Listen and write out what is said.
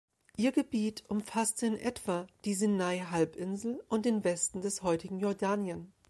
Ihr Gebiet umfasste in etwa die Sinai-Halbinsel und den Westen des heutigen Jordanien.